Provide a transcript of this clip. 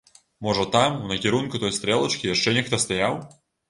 Можа там, у накірунку той стрэлачкі, яшчэ нехта стаяў?